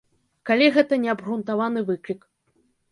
Калі гэта неабгрунтаваны выклік.